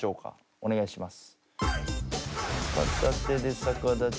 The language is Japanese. お願いします。